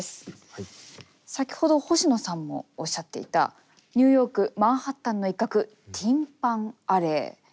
先ほど星野さんもおっしゃっていたニューヨーク・マンハッタンの一角ティン・パン・アレー。